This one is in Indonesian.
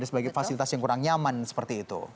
ada sebagian fasilitas yang kurang nyaman seperti itu